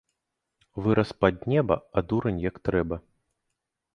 Вырас пад неба, а дурань як трэба